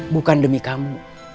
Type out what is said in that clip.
bukan demi kamu